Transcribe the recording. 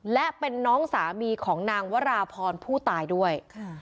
และเป็นน้องสามีของนางวราพรผู้ตายด้วย